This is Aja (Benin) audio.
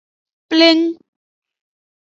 Pleng.